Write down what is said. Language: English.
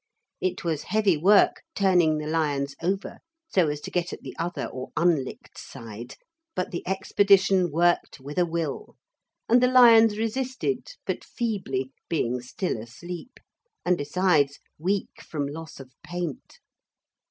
It was heavy work turning the lions over so as to get at the other or unlicked side, but the expedition worked with a will, and the lions resisted but feebly, being still asleep, and, besides, weak from loss of paint.